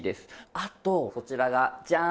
あとこちらがジャーン！